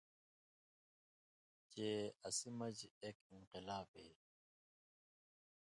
چے اسی مژ اېک انقلاب اے۔